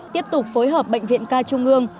tiếp tục phối hợp bệnh viện ca trung ương